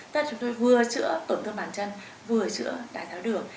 tức là chúng tôi vừa chữa tổn thương bàn chân vừa chữa đài tháo đường